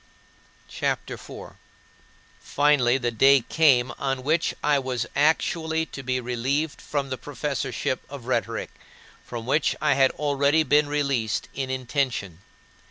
" CHAPTER IV 7. Finally the day came on which I was actually to be relieved from the professorship of rhetoric, from which I had already been released in intention.